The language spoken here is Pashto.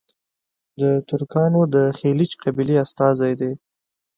د ترکانو د خیلیچ قبیلې استازي دي.